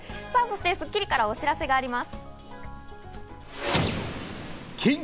そして『スッキリ』からお知らせがございます。